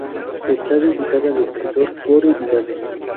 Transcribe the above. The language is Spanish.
Está dedicada al escritor Gore Vidal.